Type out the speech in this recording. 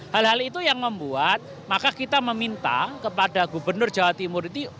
hal hal itu yang membuat maka kita meminta kepada gubernur jawa timur itu